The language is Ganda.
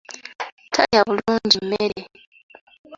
Talya bulungi mmere.